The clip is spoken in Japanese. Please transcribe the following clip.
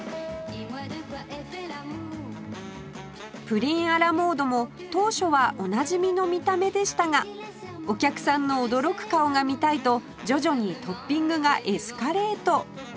プリンアラモードも当初はおなじみの見た目でしたがお客さんの驚く顔が見たいと徐々にトッピングがエスカレート